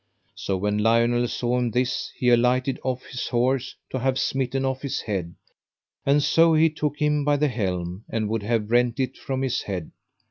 So when Lionel saw this, he alighted off his horse to have smitten off his head. And so he took him by the helm, and would have rent it from his head.